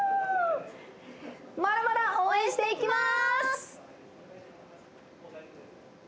まだまだ応援していきます。